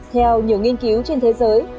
theo nhiều nghiên cứu trên thế giới